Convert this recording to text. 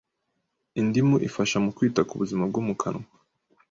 Indimu ifasha mu kwita ku buzima bwo mu kanwa